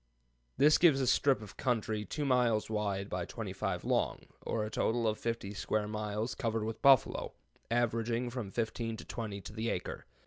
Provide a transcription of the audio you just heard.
This gives a strip of country 2 miles wide by 25 long, or a total of 50 square miles covered with buffalo, averaging from fifteen to twenty to the acre.